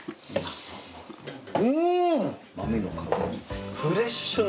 うん！